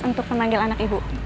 untuk memanggil anak ibu